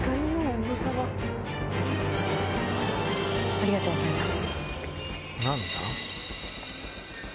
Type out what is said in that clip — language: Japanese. ありがとうございます。